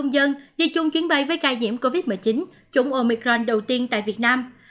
dân đi chung chuyến bay với ca nhiễm covid một mươi chín chủng omicron đầu tiên tại việt nam